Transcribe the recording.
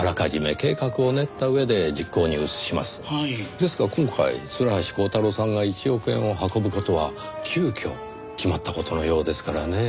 ですが今回鶴橋光太郎さんが１億円を運ぶ事は急きょ決まった事のようですからねぇ。